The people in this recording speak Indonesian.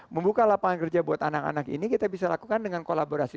membuka lapangan kerja buat anak anak ini kita bisa lakukan dengan kolaborasi